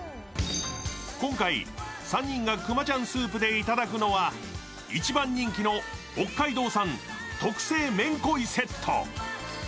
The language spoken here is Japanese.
今回３人がくまちゃんスープでいただくのは一番人気の北海道産特製めんこいセット。